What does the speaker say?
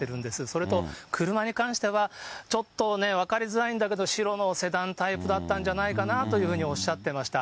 それと車に関しては、ちょっと分かりづらいんだけど、白のセダンタイプだったんじゃないかなとおっしゃってました。